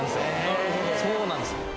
なるほどそうなんです